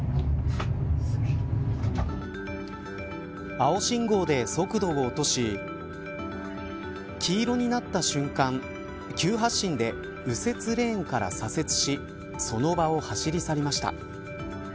青信号で速度を落とし黄色になった瞬間急発進で右折レーンから左折しその場を走り去りました。